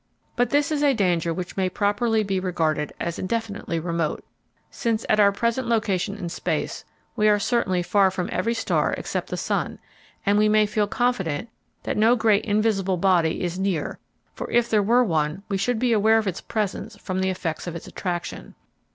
But this is a danger which may properly be regarded as indefinitely remote, since, at our present location in space, we are certainly far from every star except the sun, and we may feel confident that no great invisible body is near, for if there were one we should be aware of its presence from the effects of its attraction.